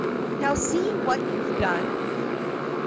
Now see what you've done!"